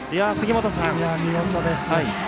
見事ですね。